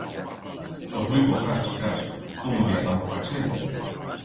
Soz muit pocas, chicas, cómo bi ha tan poca chent?